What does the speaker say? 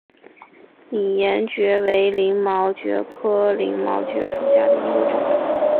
拟岩蕨为鳞毛蕨科鳞毛蕨属下的一个种。